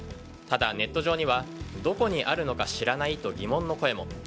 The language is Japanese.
ただ、ネット上にはどこにあるのか知らないと疑問の声も。